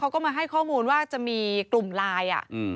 เขาก็มาให้ข้อมูลว่าจะมีกลุ่มไลน์